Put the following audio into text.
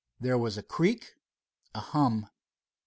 There was a creak, a hum.